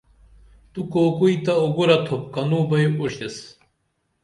تو کوکُئی تہ اُگُرہ تُھپ کنوں بئی اُرُشتیس